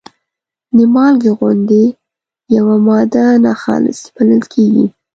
د مالګې غوندې یوه ماده ناخالصې بلل کیږي.